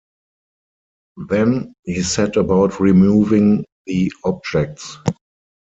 Then...he set about removing the objects.